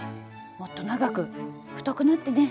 もっと長く太くなってね！